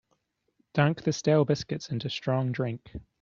Dunk the stale biscuits into strong drink.